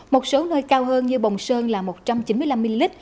một số nơi cao hơn như bồng sơn là một trăm chín mươi năm m